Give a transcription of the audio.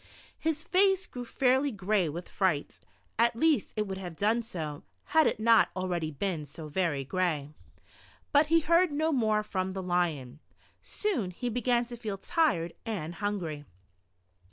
His face grew fairly gray with fright — at least it would have done so, had it not already been so very gray. But he heard no more from the lion. Soon he began to feel tired and hungry.